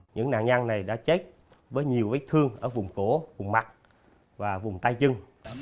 những nạn nhân này đã chết với nhiều vết thương ở vùng cổ vùng mặt và vùng tay chân